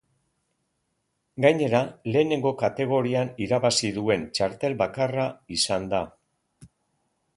Gainera, lehenengo kategorian irabazi duen txartel bakarra izan da.